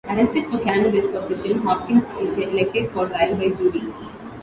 Arrested for cannabis possession, Hopkins elected for trial by jury.